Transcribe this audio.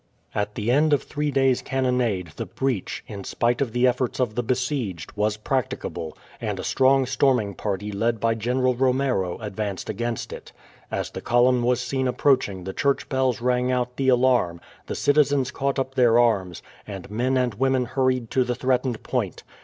At the end of three days' cannonade the breach, in spite of the efforts of the besieged, was practicable, and a strong storming party led by General Romero advanced against it. As the column was seen approaching the church bells rang out the alarm, the citizens caught up their arms, and men and women hurried to the threatened point.